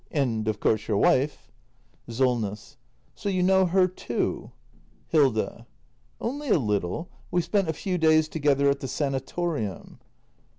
And of course, your wife. SOLNESS. So you know her, too ? Hilda. Only a little. We spent a few days together at the sanatorium.